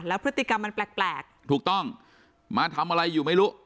แล้วพฤติกรรมมันแปลกถูกต้องมาทำอะไรอยู่ไม่รู้